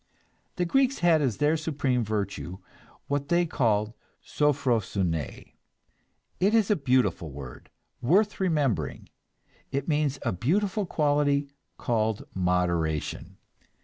The Greeks had as their supreme virtue what they called "sophrosuné." It is a beautiful word, worth remembering; it means a beautiful quality called moderation.